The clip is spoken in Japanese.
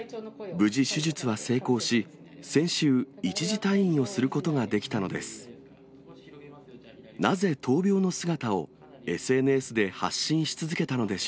無事手術は成功し、先週、一時退院をすることができたのです。